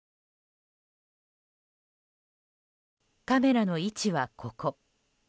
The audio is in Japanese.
カメラの位置は、ここ。